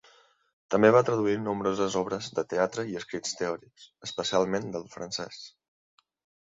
També va traduir nombroses obres de teatre i escrits teòrics, especialment del francès.